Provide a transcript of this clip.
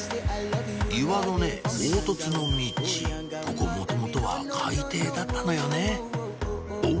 岩のね凹凸のミチここもともとは海底だったのよねおっ！